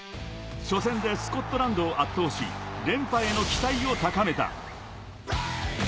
初戦でスコットランドを圧倒し、連覇への期待を高めた。